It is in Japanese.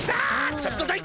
ちょっとどいて！